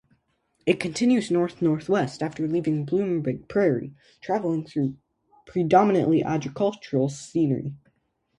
It continues north-northwest after leaving Blooming Prairie, traveling through predominantly agricultural scenery.